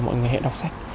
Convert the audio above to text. mọi người hãy đọc sách